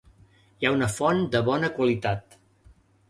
Hi ha una font de bona qualitat.